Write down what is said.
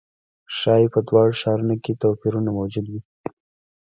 ښايي په دواړو ښارونو کې توپیرونه موجود وي.